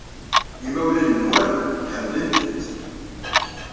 Imawlan-nwen ḥemmlen-tent.